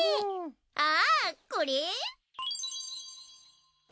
あぁこれ？